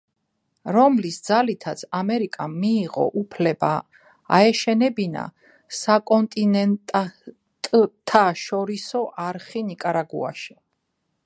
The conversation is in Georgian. რომლის ძალითაც ამერიკამ მიიღო უფლება აეშენებინა საკონტინენტთაშორისო არხი ნიკარაგუაში.